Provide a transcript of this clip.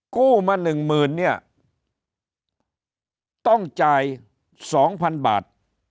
กู้มา๑หมื่นเนี่ยต้องจ่าย๒๐๐๐บาท